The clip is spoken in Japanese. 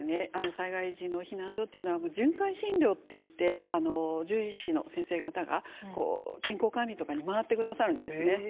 災害時の避難所っていうのは巡回診療っていって獣医師の先生方が健康管理とかに回って下さるんですね。